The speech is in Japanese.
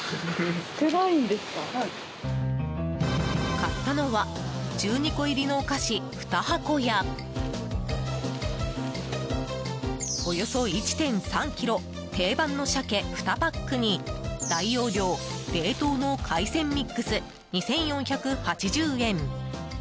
買ったのは１２個入りのお菓子２箱やおよそ１．３ｋｇ定番の鮭２パックに大容量、冷凍の海鮮ミックス２４８０円。